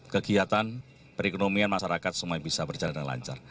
kegiatan perekonomian masyarakat semua bisa berjalan dengan lancar